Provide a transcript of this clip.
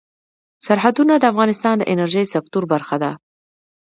سرحدونه د افغانستان د انرژۍ سکتور برخه ده.